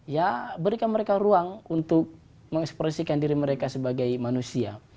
ya berikan mereka ruang untuk mengekspresikan diri mereka sebagai manusia